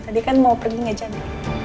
tadi kan mau pergi ga jadi